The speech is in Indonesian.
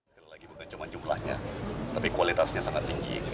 sekali lagi bukan cuma jumlahnya tapi kualitasnya sangat tinggi